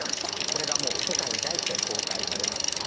これがもう世界に対して公開されました。